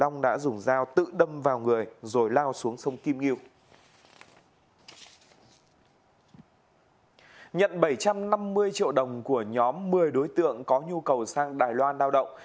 nhận bảy trăm năm mươi triệu đồng của nhóm một mươi đối tượng có nhu cầu sang đài loan lao động